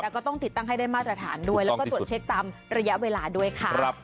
แล้วก็ต้องติดตั้งให้ได้มาตรฐานด้วยแล้วก็ตรวจเช็คตามระยะเวลาด้วยค่ะ